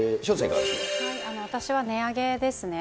私は値上げですね。